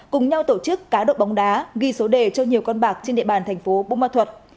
cùng nhau tổ chức cá độ bóng đá ghi số đề cho nhiều con bạc trên địa bàn thành phố bù ma thuật